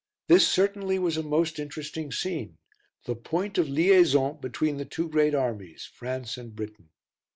This certainly was a most interesting scene the point of "liaison" between the two great armies, France and Britain.